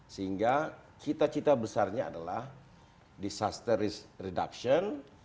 sehingga cita cita besarnya adalah disaster reduction